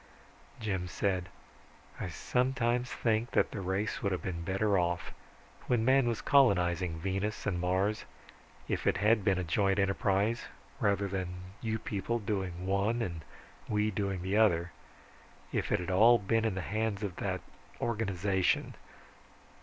Jim said, "I sometimes think that the race would have been better off, when man was colonizing Venus and Mars, if it had been a joint enterprise rather than you people doing one, and we the other. If it had all been in the hands of that organization